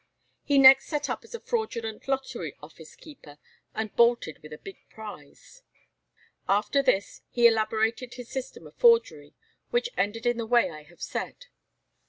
He next set up as a fraudulent lottery office keeper, and bolted with a big prize. After this he elaborated his system of forgery, which ended in the way I have said.